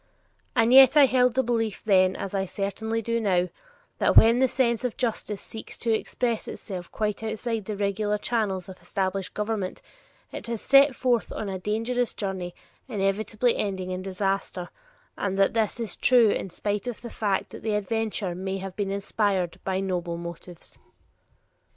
And yet I held the belief then, as I certainly do now, that when the sense of justice seeks to express itself quite outside the regular channels of established government, it has set forth on a dangerous journey inevitably ending in disaster, and that this is true in spite of the fact that the adventure may have been inspired by noble motives.